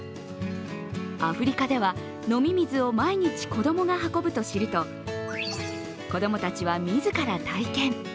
アフリカでは飲み水を毎日子供が運ぶと知ると子供たちは自ら体験。